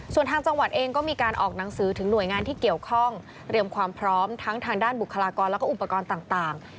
ส่วนทางจังหวัดเองก็มีการออกหนังสือถึงหน่วยงานที่เกี่ยวข้องเตรียมความพร้อมทั้งทางด้านบุคลากรแล้วก็อุปกรณ์ต่าง